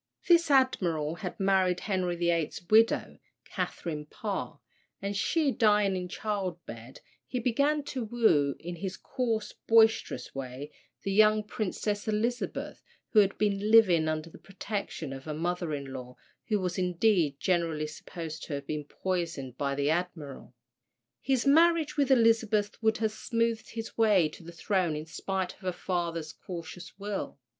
This Admiral had married Henry VIII.'s widow, Catherine Parr; and she dying in childbed, he began to woo, in his coarse boisterous way, the young Princess Elizabeth, who had been living under the protection of her mother in law, who was indeed generally supposed to have been poisoned by the admiral. His marriage with Elizabeth would have smoothed his way to the throne in spite of her father's cautious will.